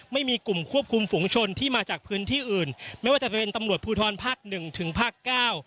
ไม่มีกลุ่มควบคุมฝุงชนที่มาจากพื้นที่อื่นไม่ว่าจะเป็นตำรวจภูทรภาคหนึ่งถึงภาคเก้า